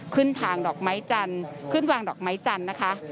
ทางดอกไม้จันทร์ขึ้นวางดอกไม้จันทร์นะคะ